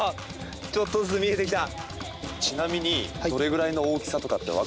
ちょっとずつ見えてきた。